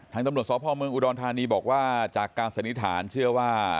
ตำรวจสพเมืองอุดรธานีบอกว่าจากการสันนิษฐานเชื่อว่า